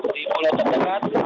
di pulau terdekat